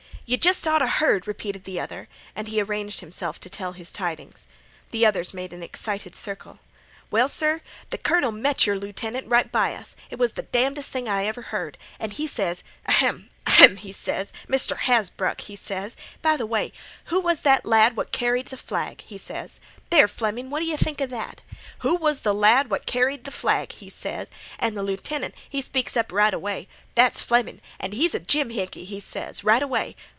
"Yeh jest oughta heard!" repeated the other, and he arranged himself to tell his tidings. The others made an excited circle. "Well, sir, th' colonel met your lieutenant right by us—it was damnedest thing I ever heard—an' he ses: 'Ahem! ahem!' he ses. 'Mr. Hasbrouck!' he ses, 'by th' way, who was that lad what carried th' flag?' he ses. There, Flemin', what d' yeh think 'a that? 'Who was th' lad what carried th' flag?' he ses, an' th' lieutenant, he speaks up right away: 'That's Flemin', an' he's a jimhickey,' he ses, right away.